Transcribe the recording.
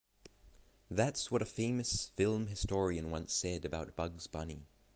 That's what a famous film historian once said about Bugs Bunny.